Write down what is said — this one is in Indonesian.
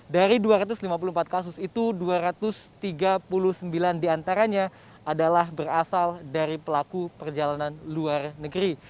dari dua ratus lima puluh empat kasus itu dua ratus tiga puluh sembilan diantaranya adalah berasal dari pelaku perjalanan luar negeri